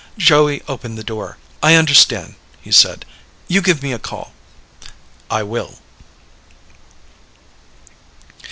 Joey opened the door. "I understand," he said. "You give me a call." "I will."